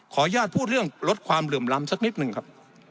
อนุญาตพูดเรื่องลดความเหลื่อมล้ำสักนิดหนึ่งครับ